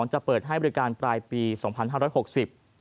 จะเปิดให้บริการปลายปีศ๒๕๖๐